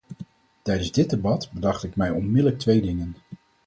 Tijdens dit debat bedacht ik mij onmiddellijk twee dingen.